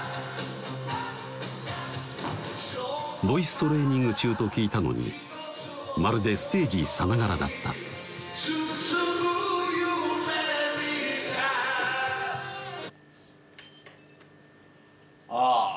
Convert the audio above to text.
ボイストレーニング中と聞いたのにまるでステージさながらだった「包む夢見た」